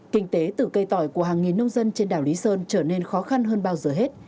kinh tế từ cây tỏi của hàng nghìn nông dân trên đảo lý sơn trở nên khó khăn hơn bao giờ hết